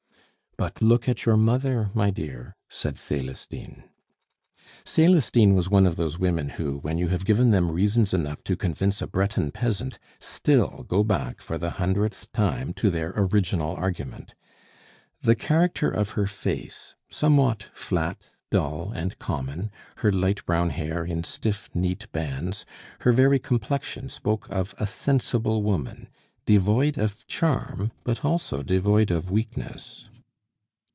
"But look at your mother, my dear," said Celestine. Celestine was one of those women who, when you have given them reasons enough to convince a Breton peasant, still go back for the hundredth time to their original argument. The character of her face, somewhat flat, dull, and common, her light brown hair in stiff, neat bands, her very complexion spoke of a sensible woman, devoid of charm, but also devoid of weakness.